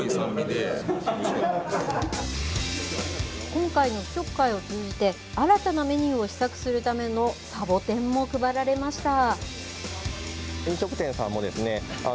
今回の試食会を通じて、新たなメニューを試作するためのサボテンも配られました。